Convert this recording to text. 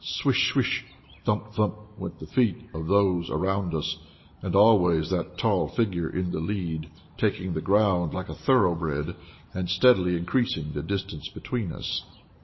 Swish, swish! thump, thump! went the feet of those around us and always that tall figure in the lead, taking the ground like a thoroughbred, and steadily increasing the distance between us.